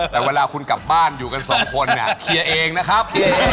แต่เวลาคุณกลับบ้านอยู่กันสองคนเนี่ยเคลียร์เองนะครับ